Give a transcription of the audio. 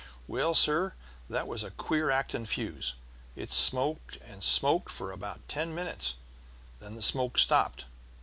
Well, sir, that was a queer acting fuse. It smoked and smoked for about ten minutes, and then the smoke stopped.